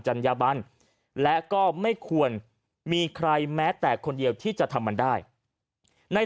จัญญาบันและก็ไม่ควรมีใครแม้แต่คนเดียวที่จะทำมันได้ใน